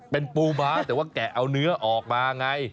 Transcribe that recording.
เป็นปูม้าแต่ว่าแกะเอาเนื้อออกมาไง